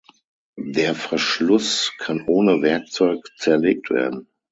Der Verschluss kann ohne Werkzeug zerlegt werden.